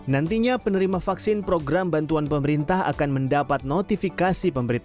nantinya penerima vaksin program bantuan pemerintah akan mendapat notifikasi pemerintah